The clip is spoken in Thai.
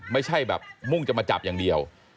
ถ้าเขาถูกจับคุณอย่าลืม